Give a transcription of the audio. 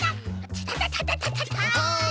タタタタタタタッ。